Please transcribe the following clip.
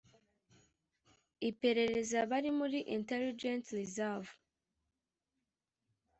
iperereza bari muri intelligence reserve